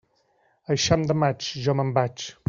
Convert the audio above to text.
Eixam de maig, jo me'n vaig.